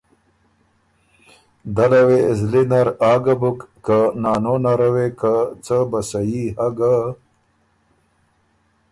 دله وې زلی نر آ ګۀ بُک که نانو نره وې که څۀ بَسَئي هۀ ګۀ،